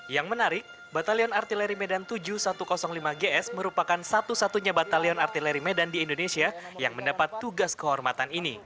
yang menarik batalion artileri medan tujuh ribu satu ratus lima gs merupakan satu satunya batalion artileri medan di indonesia yang mendapat tugas kehormatan ini